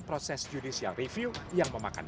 proses judicial review yang memakan